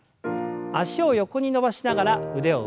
脚を横に伸ばしながら腕を上。